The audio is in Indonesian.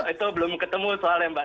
itu belum ketemu soalnya mbak